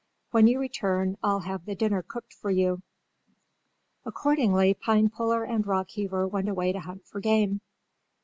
When you return I'll have the dinner cooked for you." Accordingly, Pinepuller and Rockheaver went away to hunt for game.